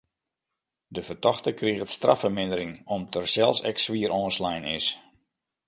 De fertochte kriget straffermindering om't er sels ek swier oanslein is.